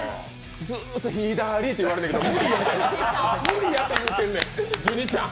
ずーっと、左って言われてんだけど、無理やと言うてんねん、ジュニちゃん。